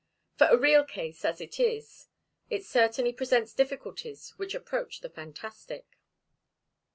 For a real case, as it is, it certainly presents difficulties which approach the fantastic.